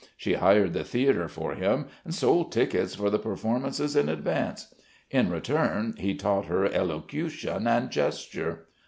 She hired the theatre for him and sold tickets for the performances in advance.... In return he taught her elocution and gesture.